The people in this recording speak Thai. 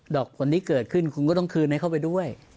อกผลที่เกิดขึ้นคุณก็ต้องคืนให้เข้าไปด้วย